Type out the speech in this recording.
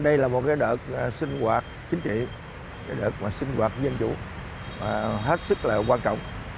đây là một đợt sinh hoạt chính trị đợt sinh hoạt dân chủ hết sức là quan trọng